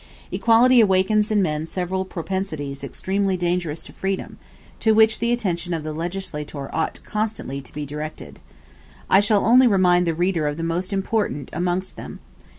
Equality awakens in men several propensities extremely dangerous to freedom, to which the attention of the legislator ought constantly to be directed. I shall only remind the reader of the most important amongst them.